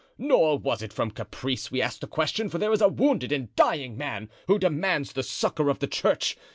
Nor was it from caprice we asked the question, for there is a wounded and dying man who demands the succor of the church.